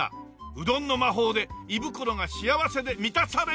うどんの魔法で胃袋が幸せで満たされました！